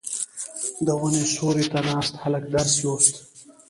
• د ونې سیوري ته ناست هلک درس لوسته.